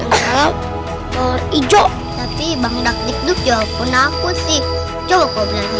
yang salah war ijo tapi bangdak dikduk jawab pun aku sih coba kau berani pasti